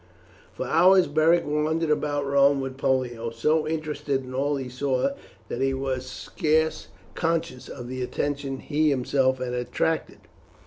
For hours Beric wandered about Rome with Pollio, so interested in all he saw that he was scarce conscious of the attention he himself attracted.